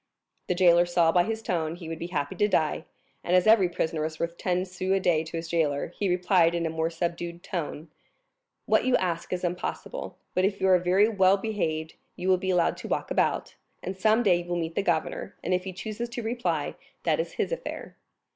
The jailer saw by his tone he would be happy to die; and as every prisoner is worth ten sous a day to his jailer, he replied in a more subdued tone. "What you ask is impossible; but if you are very well behaved you will be allowed to walk about, and some day you will meet the governor, and if he chooses to reply, that is his affair."